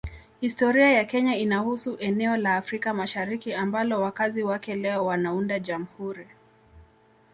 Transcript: Historia ya Kenya inahusu eneo la Afrika Mashariki ambalo wakazi wake leo wanaunda Jamhuri